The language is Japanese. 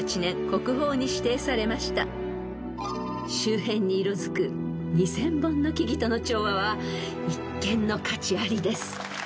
［周辺に色づく２，０００本の木々との調和は一見の価値ありです］